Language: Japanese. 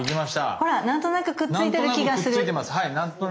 ほらなんとなくくっついてる気がする。